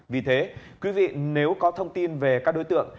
vì thế quý vị nếu có thông tin về các đối tượng